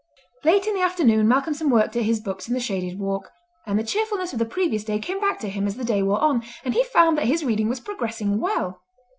Late in the afternoon Malcolmson worked at his books in the shaded walk, and the cheerfulness of the previous day came back to him as the day wore on, and he found that his reading was progressing well.